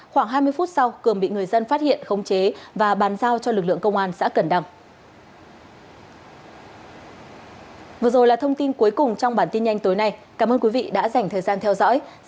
khoảng hai mươi phút sau cường bị người dân phát hiện khống chế và bàn giao cho lực lượng công an xã cần đằng